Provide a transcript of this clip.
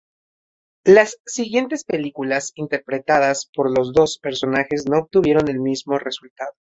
Las siguientes películas interpretadas por los dos personajes no obtuvieron el mismo resultado.